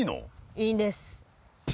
いいんです。